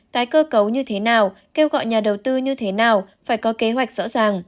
tái cơ cấu như thế nào kêu gọi nhà đầu tư như thế nào phải có kế hoạch rõ ràng